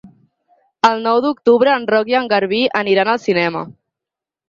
El nou d'octubre en Roc i en Garbí aniran al cinema.